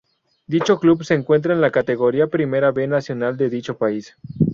Dicho club se encuentra en la categoría Primera B Nacional de dicho país.